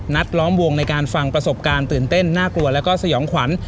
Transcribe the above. ล้อมวงในการฟังประสบการณ์ตื่นเต้นน่ากลัวแล้วก็สยองขวัญ